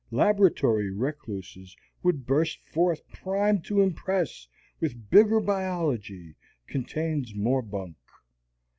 Laboratory recluses would burst forth primed to impress with Bigger Biology Contains More Bunk.